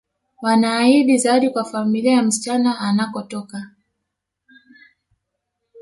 Wanaahidi zawadi kwa familia ya msichana anakotoka